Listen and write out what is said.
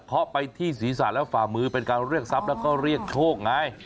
เขาไปที่ศีรษะและฝ่ามือเป็นการเรียกทรัพย์แล้วก็เรียกโชคไง